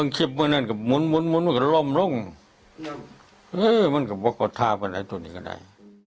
ตอนต่อไป